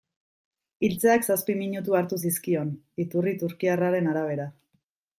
Hiltzeak zazpi minutu hartu zizkion, iturri turkiarraren arabera.